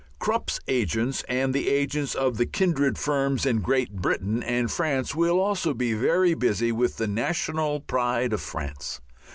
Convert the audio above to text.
Krupp's agents and the agents of the kindred firms in Great Britain and France will also be very busy with the national pride of France.